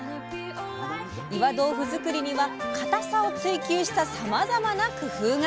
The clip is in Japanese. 岩豆腐作りには固さを追求したさまざまな工夫が！